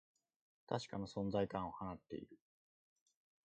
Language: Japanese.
確かな存在感を放っている